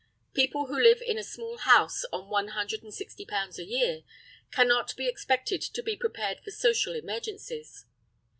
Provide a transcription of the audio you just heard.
People who live in a small house on one hundred and sixty pounds a year cannot be expected to be prepared for social emergencies.